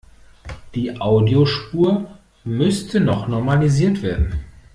Die Audiospur müsste noch normalisiert werden.